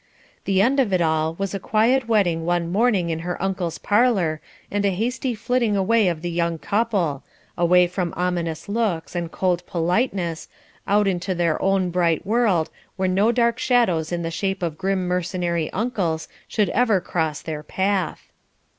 The end of it all was a quiet wedding one morning in her uncle's parlour, and a hasty flitting away of the young couple away from ominous looks and cold politeness, out into their own bright world, where no dark shadows in the shape of grim mercenary uncles should ever cross their path.